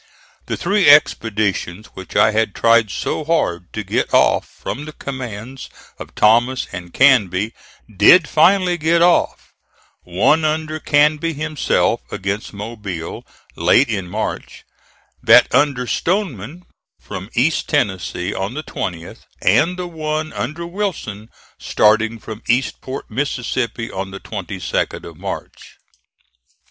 The three expeditions which I had tried so hard to get off from the commands of Thomas and Canby did finally get off: one under Canby himself, against Mobile, late in March; that under Stoneman from East Tennessee on the 20th; and the one under Wilson, starting from Eastport, Mississippi, on the 22d of March.